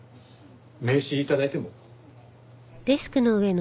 名刺頂いても？